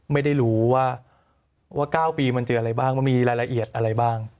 ไม่รู้ว่า๙ปีมันเจออะไรบ้างมันมีรายละเอียดอะไรบ้าง